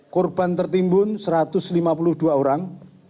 korban tertimbun satu ratus lima puluh dua orang